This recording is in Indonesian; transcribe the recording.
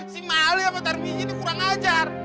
si mali sama tarbijie ini kurang ajar